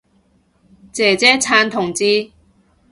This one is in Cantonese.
姐姐撐同志